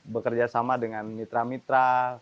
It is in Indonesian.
bekerja sama dengan mitra mitra